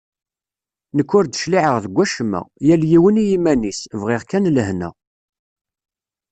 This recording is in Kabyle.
Nekk ur d-cliɛeɣ deg wacemma, yal yiwen i yiman-is, bɣiɣ kan lehna.